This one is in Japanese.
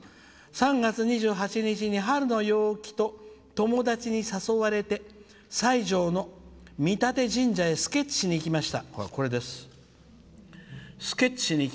「３月２８日に春の陽気と友達に誘われて、西条の御建神社へスケッチしにいきました。